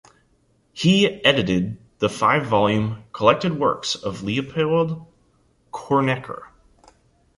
He edited the five-volume collected works of Leopold Kronecker.